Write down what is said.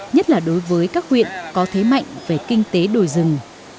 nhất là đối với các huyện có thế mạnh về kinh tế đồi rừng